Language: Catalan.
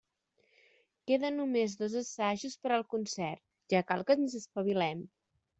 Queden només dos assajos per al concert, ja cal que ens espavilem.